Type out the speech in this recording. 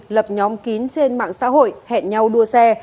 lập nhóm kín trên mạng xã hội hẹn nhau đua xe